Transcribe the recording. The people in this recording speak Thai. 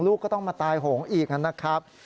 ลูกก็ต้องมาตายโหงอีกนะครับ